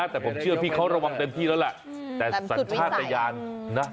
แต่ผมเชื่อพี่เขาระวังเต็มที่แล้วแหละแต่สัญชาติยานนะ